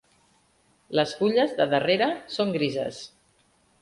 Les fulles de darrere són grises.